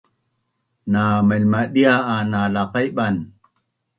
Na mailmadia a na laqaiban?